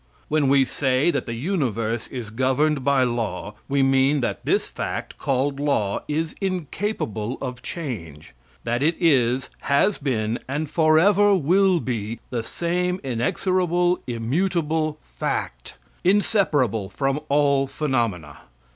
When we say that the universe is governed by law, we mean that this fact, called law, is incapable of change; that it is, has been, and forever will be, the same inexorable, immutable FACT, inseparable from all phenomena.